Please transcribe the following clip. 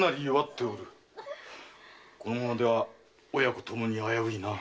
このままでは親子ともに危ういな。